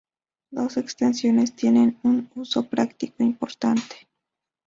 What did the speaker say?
Dos extensiones tienen un uso práctico importante.